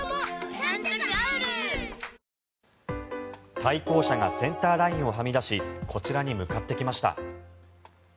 対向車がセンターラインをはみ出しこちらに向かってきました。